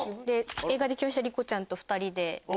映画で共演した莉子ちゃんと２人で。